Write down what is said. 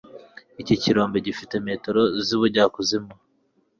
Iki kirombe gifite metero zubujyakuzimu